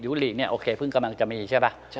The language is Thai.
ยุฬิกเนี่ยเพิ่งกำลังจะมีใช่ปะ